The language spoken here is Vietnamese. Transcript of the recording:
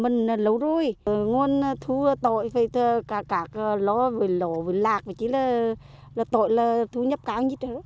nói chung là tội là thu nhập cao nhiều